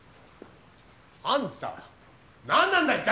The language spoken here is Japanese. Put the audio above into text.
あんた何なんだ一体！